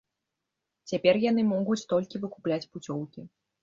Цяпер яны могуць толькі выкупляць пуцёўкі.